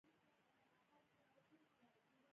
هغه د بامیان د مجسمو یادونه کړې